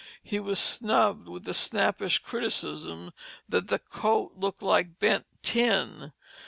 He was snubbed with the snappish criticism that "the coat looked like bent tin."